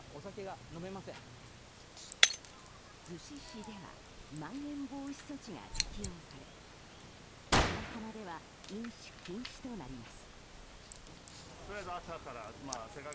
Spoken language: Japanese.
逗子市ではまん延防止措置が適用され砂浜では飲酒禁止となります。